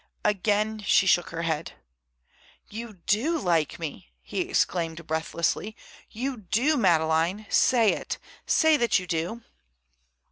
Again she shook her head. "You do like me!" he exclaimed breathlessly. "You do, Madeleine. Say it! Say that you do!"